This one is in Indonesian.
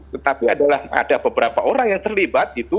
tetapi ada beberapa orang yang terlibat